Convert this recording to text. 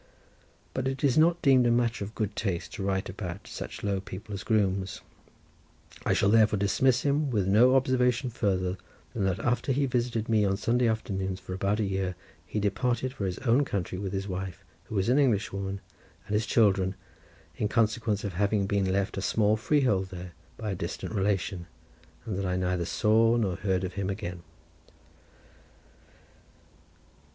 But it is not deemed a matter of good taste to write about such low people as grooms, I shall therefore dismiss him with no observation further than that after he had visited me on Sunday afternoons for about a year he departed for his own country with his wife, who was an Englishwoman, and his children, in consequence of having been left a small freehold there by a distant relation, and that I neither saw nor heard of him again.